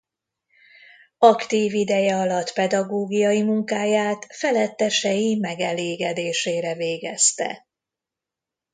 Aktív ideje alatt pedagógiai munkáját felettesei megelégedésére végezte.